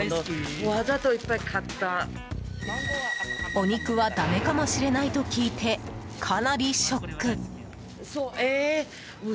お肉はだめかもしれないと聞いて、かなりショック。